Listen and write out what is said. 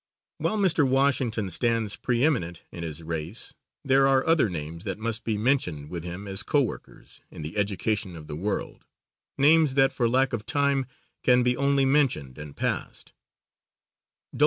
While Mr. Washington stands pre eminent in his race there are other names that must be mentioned with him as co workers in the education of the world, names that for lack of time can be only mentioned and passed.